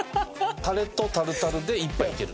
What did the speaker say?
タレとタルタルで１杯いける。